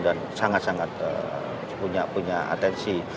dan sangat sangat punya atensi